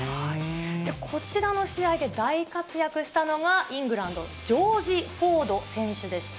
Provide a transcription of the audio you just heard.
こちらの試合で大活躍したのが、イングランド、ジョージ・フォード選手でした。